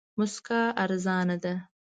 موسکا ارزانه ده.